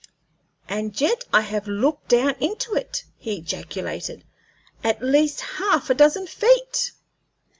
"And yet I have looked down into it," he ejaculated, "at least half a dozen feet!"